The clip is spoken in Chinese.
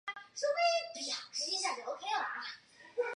丈夫为医生汤于翰。